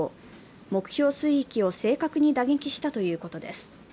目標水域を正確に打撃したとのことです。